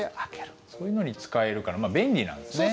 そういうのに使えるからまあ便利なんですね。